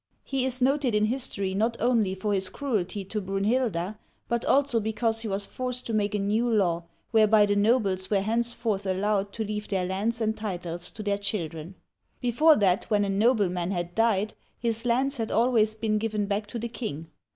He is noted in history not only for his cruelty to Brunhilda, but also because he was forced to make a new law, whereby the nobles were henceforth allowed to leave their lands and titles to their children. Before that, when a nobleman had died, his lands had always been given back to the king.